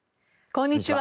こんにちは。